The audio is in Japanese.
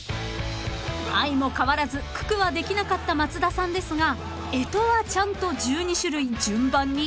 ［相も変わらず九九はできなかった松田さんですが干支はちゃんと１２種類順番に言えるんでしょうか？］